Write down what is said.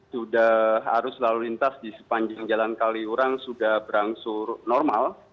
sudah arus lalu lintas di sepanjang jalan kaliurang sudah berangsur normal